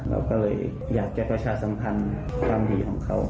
เราก็เลยอยากจะประชาสัมพันธ์ความดีของเขา